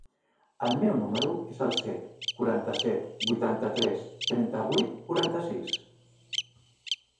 El meu número es el set, quaranta-set, vuitanta-tres, trenta-vuit, quaranta-sis.